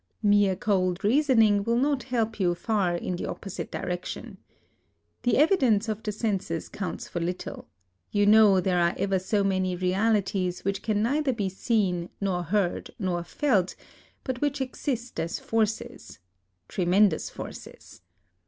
Mere cold reasoning will not help you far in the opposite direction. The evidence of the senses counts for little : you know there are ever so many realities which can neither be seen nor heard nor felt, but which exist as forces, — tremendous forces.